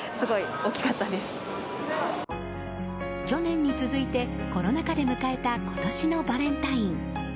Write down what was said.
去年に続いてコロナ禍で迎えた今年のバレンタイン。